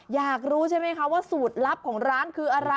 อยากรู้ใช่ไหมคะว่าสูตรลับของร้านคืออะไร